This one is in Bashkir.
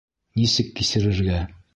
Нисек кисерергә?